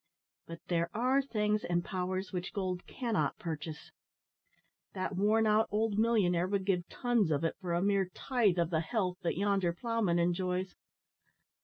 But there are things and powers which gold cannot purchase. That worn out old millionnaire would give tons of it for a mere tithe of the health that yonder ploughman enjoys.